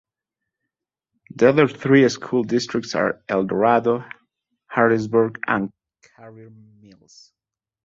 The other three school districts are Eldorado, Harrisburg, and Carrier Mills.